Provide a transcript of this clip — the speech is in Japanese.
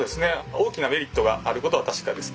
大きなメリットがあることは確かです。